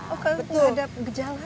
oh kalau tidak ada gejala